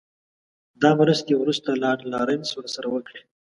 دا مرستې وروسته لارډ لارنس ورسره وکړې.